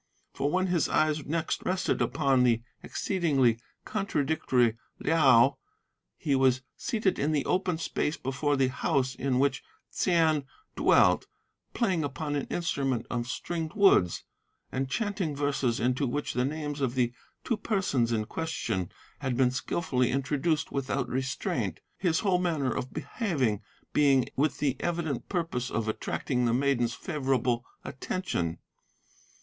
For when his eyes next rested upon the exceedingly contradictory Liao, he was seated in the open space before the house in which Ts'ain dwelt, playing upon an instrument of stringed woods, and chanting verses into which the names of the two persons in question had been skilfully introduced without restraint, his whole manner of behaving being with the evident purpose of attracting the maiden's favourable attention.